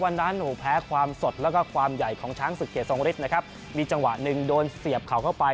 แล้วก็ความใหญ่ของช้างสุกเหยสงฤษนะครับมีจังหวะหนึ่งโดนเสียบเข่าเข้าไป